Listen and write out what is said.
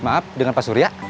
maaf dengan pak surya